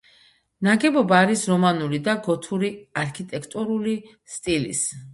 ნაგებობა არის რომანული და გოთური არქიტექტურული სტილის.